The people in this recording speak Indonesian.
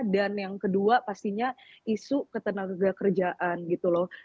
dan yang kedua pastinya isu ketenagakerjaan gitu loh